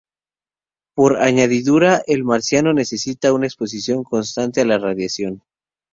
Por añadidura, el marciano necesita una exposición constante a la radiación.